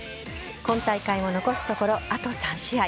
今大会も残すところあと３試合。